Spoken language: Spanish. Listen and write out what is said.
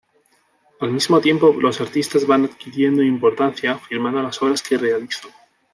Al mismo tiempo los artistas van adquiriendo importancia firmando las obras que realizan.